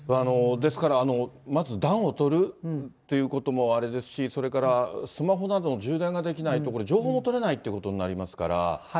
ですから、まず暖をとるということもあれですし、スマホなどの充電ができない所、情報も取れないっていうことになりますから。